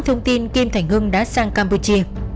thông tin kim thành hưng đã sang campuchia